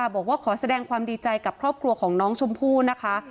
บอกว่าขอแสดงความดีใจกับครอบครัวของน้องชมพู่นะคะ